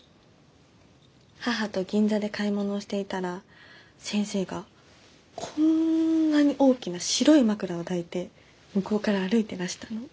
母と銀座で買い物をしていたら先生がこんなに大きな白い枕を抱いて向こうから歩いてらしたの。